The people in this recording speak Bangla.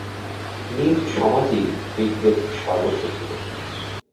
নিজ সমাজই গ্রীকদের সর্বস্ব ছিল।